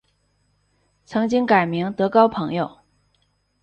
曾经改名德高朋友。